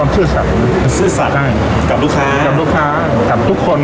สุดท้ายสุดท้าย